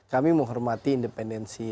kami menghormati independensi